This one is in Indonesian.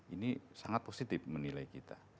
ini sangat positif menilai kita